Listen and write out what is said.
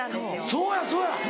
そうやそうや！